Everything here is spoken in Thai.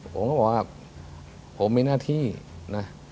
ผมก็บอกว่าผมมีหน้าที่นะ